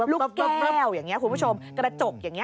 แก้วอย่างนี้คุณผู้ชมกระจกอย่างนี้